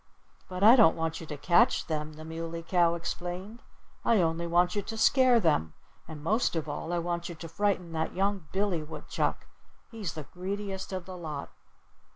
"But I don't want you to catch them," the Muley Cow explained. "I only want you to scare them. And most of all, I want you to frighten that young Billy Woodchuck. He's the greediest of the lot."